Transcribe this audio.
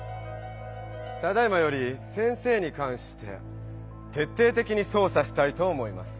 ただいまより先生にかんしててっていてきに捜査したいと思います。